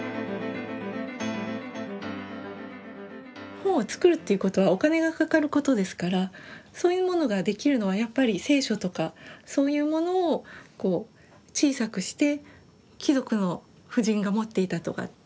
本を作るということはお金がかかることですからそういうものができるのはやっぱり聖書とかそういうものを小さくして貴族の婦人が持っていたとか。